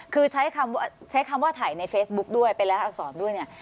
คือใช้คำว่าถ่ายในเฟซบุ๊คด้วยไปแล้วสอนด้วยเนี่ย